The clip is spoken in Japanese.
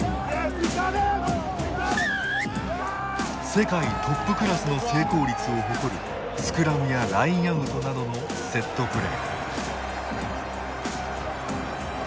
世界トップクラスの成功率を誇るスクラムやラインアウトなどのセットプレー。